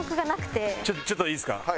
ちょっといいっすか？